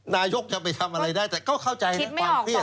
นายกจะไปทำอะไรได้แต่ก็เข้าใจนะความเครียด